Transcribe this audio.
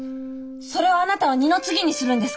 それをあなたは二の次にするんですか？